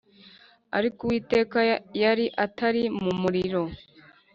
ariko Uwiteka yari atari mu muriro